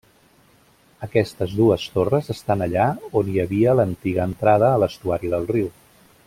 Aquestes dues torres estan allà on hi havia l'antiga entrada a l'estuari del riu.